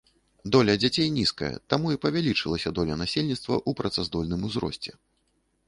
Доля дзяцей нізкая, таму і павялічылася доля насельніцтва ў працаздольным узросце.